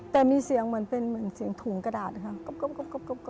แต่มีเสียงเหมือนเป็นเหมือนเสียงถุงกระดาษค่ะ